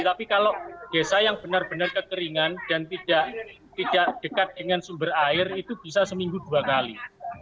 tapi kalau desa yang benar benar kekeringan dan tidak dekat dengan sumber air itu bisa seminggu dua kali